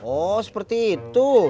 oh seperti itu